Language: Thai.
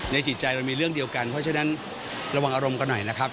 จิตใจเรามีเรื่องเดียวกันเพราะฉะนั้นระวังอารมณ์กันหน่อยนะครับ